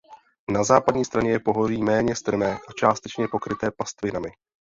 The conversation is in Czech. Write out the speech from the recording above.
Na západní straně je pohoří méně strmé a částečně pokryté pastvinami.